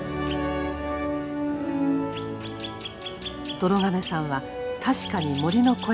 どろ亀さんは確かに森の声を聞いた。